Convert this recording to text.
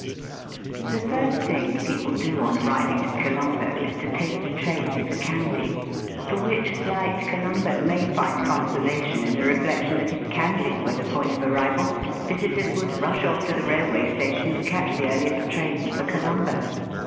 The first thing people do on arriving at Colombo is to take the train for Kandy ; for which sHght Colombo may find consolation in the reflection that if Kandy were the point of arrival visitors would rush off to the railway station to catch the earliest train for Colombo.